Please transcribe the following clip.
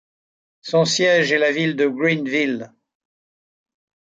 Son siège est la ville de Greenville.